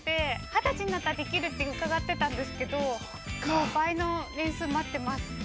二十になったらできるって伺ってたんですけどもう倍の年数、待ってます。